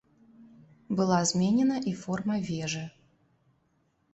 Была зменена і форма вежы.